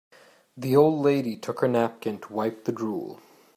The old lady took her napkin to wipe the drool.